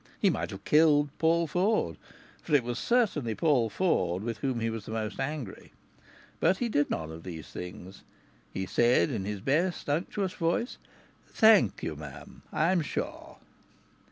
He might have killed Paul Ford (for it was certainly Paul Ford with whom he was the most angry). But he did none of these things. He said, in his best unctuous voice: "Thank you, m'm, I'm sure!"